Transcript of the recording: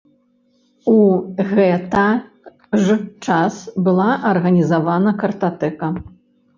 У гэта ж час была арганізавана картатэка.